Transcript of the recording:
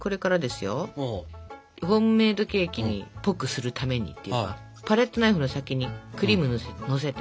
ホームメードケーキっぽくするためにというかパレットナイフの先にクリームをのせて。